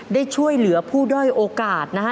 ได้ช่วยเหลือผู้ด้อยโอกาสนะฮะ